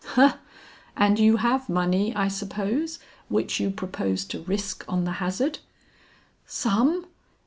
"Humph! and you have money, I suppose, which you propose to risk on the hazard?" "Some!